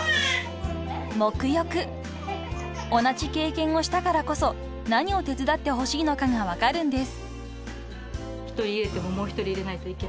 ［同じ経験をしたからこそ何を手伝ってほしいのかが分かるんです］